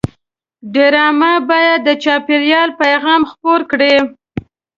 ډرامه باید د چاپېریال پیغام خپور کړي